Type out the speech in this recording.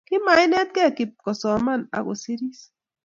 Kimainetgei Kip kosoman ago kosiiris